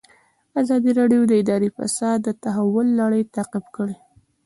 ازادي راډیو د اداري فساد د تحول لړۍ تعقیب کړې.